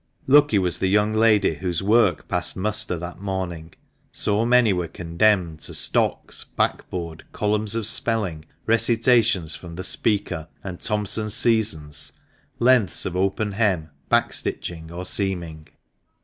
Lucky was the young lady whose work passed muster that morning; so many were condemned to stocks, backboard, columns of spelling, recitations from the " Speaker " and Thomson's " Seasons," lengths of open hem, back stitching, or seaming